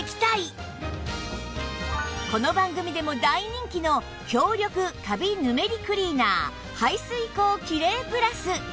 この番組でも大人気の強力カビ・ヌメリクリーナー排水口キレイプラス